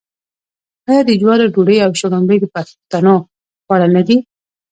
آیا د جوارو ډوډۍ او شړومبې د پښتنو خواړه نه دي؟